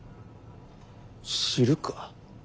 知るか。